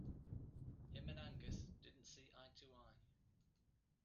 Him and Angus didn't see eye to eye.